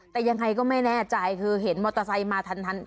แต่ยังไงก็ไม่แน่ใจคือเห็นมอเตอร์ไซค์มาทัน